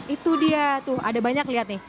itu dia tuh ada banyak lihat nih